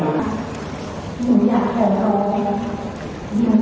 ทางตำรวจในพื้นที่กับทางปรรามนาวประรัฐไม่ต้อง